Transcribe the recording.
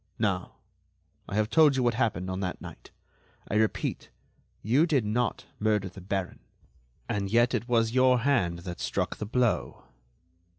Now, I have told you what happened on that night. I repeat, you did not murder the baron, and yet it was your hand that struck the blow."